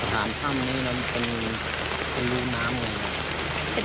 ถ้าหลังตรงตรงนี้จะหายออกไปให้มีคนโทรเพื่อได้เห็น